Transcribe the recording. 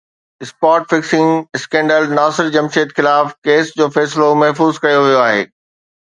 spot fixing scandal Nasir Jamshed خلاف case جو فيصلو محفوظ ڪيو ويو آهي